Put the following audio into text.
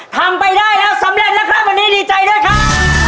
ทำไปได้แล้วสำเร็จแล้วครับวันนี้ดีใจด้วยครับ